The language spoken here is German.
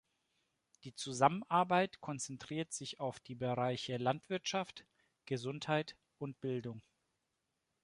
Die Zusammenarbeit konzentriert sich auf die Bereiche Landwirtschaft, Gesundheit und Bildung.